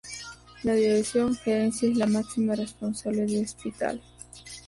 La Dirección Gerencia es la máxima responsable del Hospital.